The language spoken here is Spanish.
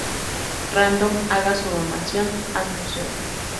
Random haga su donación al museo.